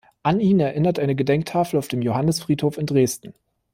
An ihn erinnert eine Gedenktafel auf dem Johannisfriedhof in Dresden.